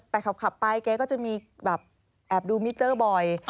แต่ขับไปแกก็จะมีแบบแอบดูมิเจอร์บ่อย